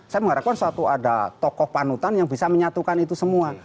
saya mengharapkan suatu ada tokoh panutan yang bisa menyatukan itu semua